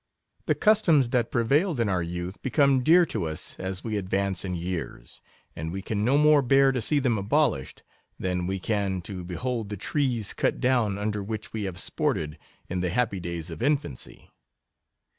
The customs that prevailed in our youth be come dear to us as we advance in years ; and we can no more bear to see them abolished, than we can to behold the trees cut down under which we have sported in the happy days of infancy.